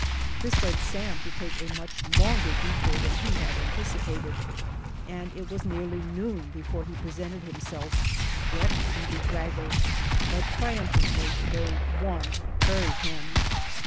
This led Sam to take a much longer detour than he had anticipated and it was nearly noon before he presented himself wet and bedraggled, but triumph antly bearing one prairie hen.